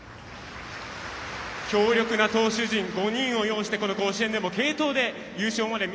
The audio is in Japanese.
強力な投手陣５人を擁してこの甲子園でも継投で優勝まで至りました。